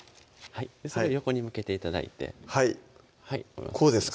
それ横に向けて頂いてはいこうですか？